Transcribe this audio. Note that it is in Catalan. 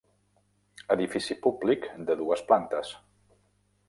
Edifici públic de dues plantes.